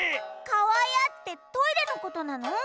「かわや」ってトイレのことなの？